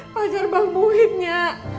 pacar bang muhidnya